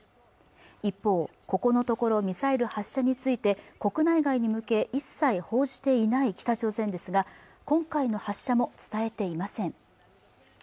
一方ここのところミサイル発射について国内外に向け一切報じていない北朝鮮ですが今回の発射も伝えていません